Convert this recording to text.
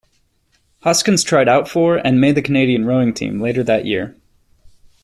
Hoskins tried out for and made the Canadian rowing team later that year.